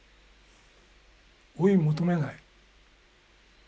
追い求めない。